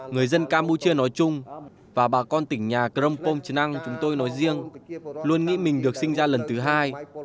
người dân campuchia nói chung và bà con tỉnh nhà krompong chnang chúng tôi nói riêng luôn nghĩ mình được sinh ra lần thứ hai